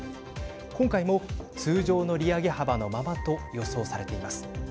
今回も通常の利上げ幅のままと予想されています。